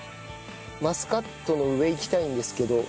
マスカットの上いきたいんですけど。